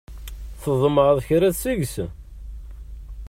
Tḍemɛeḍ kra seg-s?